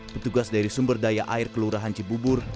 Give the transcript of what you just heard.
petugas dari sumber daya air kelurahan cibubur